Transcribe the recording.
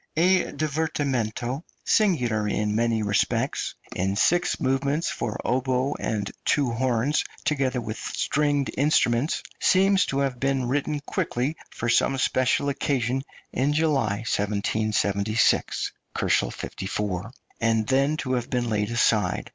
A divertimento, singular in many respects, in six movements, for oboes and two horns, together with stringed instruments, seems to have been written quickly for some special occasion in July, 1776 (54 K.), and then to have been laid aside.